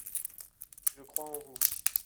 Je crois en vous.